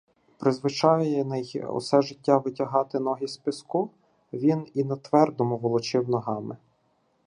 Призвичаєний усе життя витягати ноги з піску, він і на твердому волочив ногами.